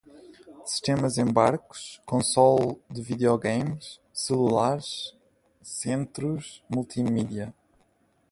sistemas embarcados, console de videogames, celulares, centros multimídia